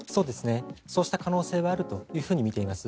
そうした可能性はあるとみています。